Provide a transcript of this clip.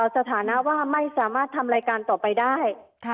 สถานะว่าไม่สามารถทำรายการต่อไปได้